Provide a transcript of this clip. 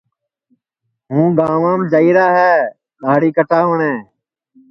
ہُوں گانٚوانٚم جائیرا ہے دہاڑی کٹاوٹؔیں